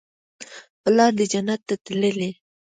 پلار دې جنت ته تللى.